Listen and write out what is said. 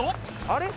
あれ？